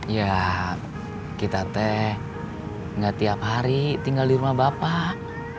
ya kita teh nggak tiap hari tinggal di rumah bapak